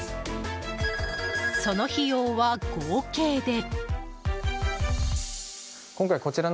その費用は合計で。